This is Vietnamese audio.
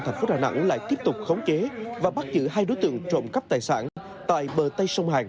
thành phố đà nẵng lại tiếp tục khống chế và bắt giữ hai đối tượng trộm cắp tài sản tại bờ tây sông hàn